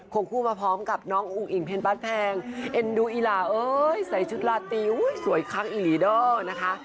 คู่มาพร้อมกับน้องอุ้งอิ่งเพชรบ้านแพงเอ็นดูอีหลาเอ้ยใส่ชุดลาตีสวยครั้งอีหลีเดอร์นะคะ